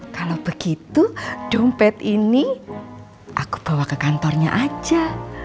kalau begitu dompet ini aku bawa ke kantornya aja